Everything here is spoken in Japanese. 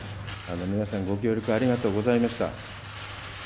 皆さん、ご協力ありがとうございました。